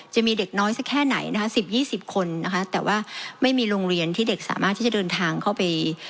จะมีเด็กน้อยสักแค่ไหนนะคะ๑๐๒๐คนนะคะแต่ว่าไม่มีโรงเรียนที่เด็กสามารถที่จะเดินทางเข้าไป